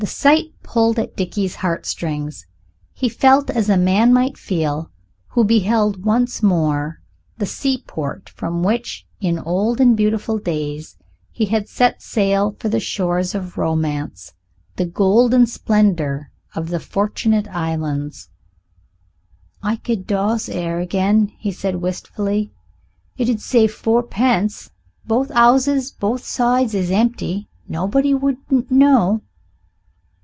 The sight pulled at Dickie's heart strings. He felt as a man might feel who beheld once more the seaport from which in old and beautiful days he had set sail for the shores of romance, the golden splendor of The Fortunate Islands. "I could doss 'ere again," he said wistfully; "it 'ud save fourpence. Both 'ouses both sides is empty. Nobody wouldn't know."